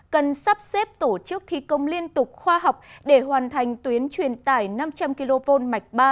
cần sắp xếp tổ chức thi công liên tục khoa học để hoàn thành tuyến truyền tải năm trăm linh kv mạch ba